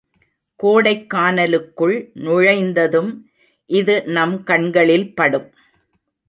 கோடைக்கானலுக்குள் நுழைந்ததும் இது நம் கண்களில் படும்.